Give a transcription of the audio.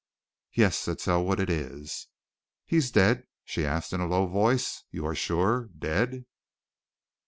"Yes," said Selwood. "It is." "He is dead?" she asked in a low voice. "You are sure? Dead?"